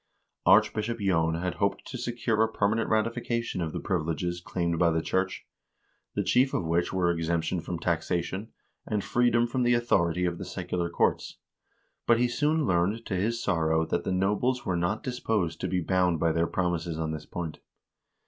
Archbishop J6n had hoped to secure a permanent ratification of the privileges claimed by the church, the chief of which were exemption from taxation, and freedom from the authority of the secular courts ; but he soon learned to his sorrow that the nobles were not disposed to be bound by their promises on this point.